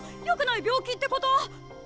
よくない病気ってこと？